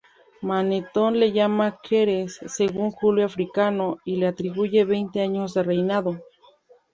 Manetón le llama Keres, según Julio Africano, y le atribuye veinte años de reinado.